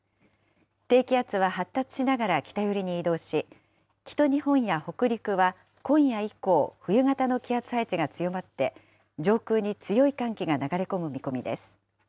低気圧は発達しながら北寄りに移動し、北日本や北陸は、今夜以降、冬型の気圧配置が強まって、上空に強い寒気が流れ込む見込みです。